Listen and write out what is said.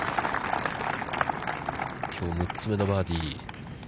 きょう６つ目のバーディー。